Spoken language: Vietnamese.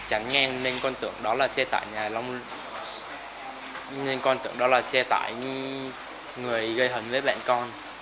chẳng ngang nên con tưởng đó là xe tải người gây hấn với bạn con